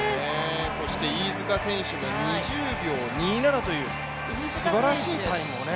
飯塚選手も２０秒２７というすばらしいタイムをね。